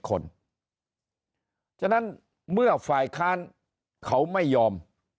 เพราะฉะนั้นเมื่อฝ่ายค้านเขาไม่ยอม